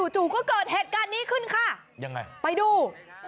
จู่ก็เกิดเหตุการณ์นี้ขึ้นค่ะยังไงไปดู